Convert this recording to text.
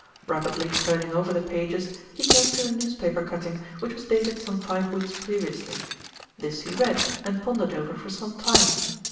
Rapidly turning over the pages he came to a newspaper cutting, which was dated some five weeks previously. This he read and pondered over for some time.